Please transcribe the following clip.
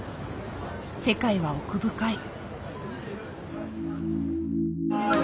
世界は奥深い。